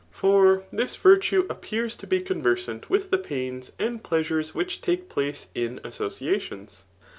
For this virtue appears to be conversant with the pains and pleasures which take place m associations.